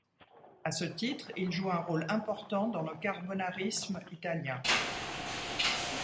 À ce titre, il joue un rôle important dans le carbonarisme italien.